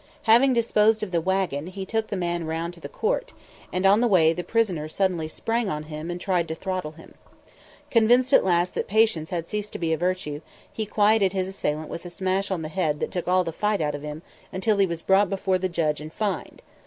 Having disposed of the wagon, he took the man round to the court, and on the way the prisoner suddenly sprang on him and tried to throttle him. Convinced at last that patience had ceased to be a virtue, he quieted his assailant with a smash on the head that took all the fight out of him until he was brought before the judge and fined.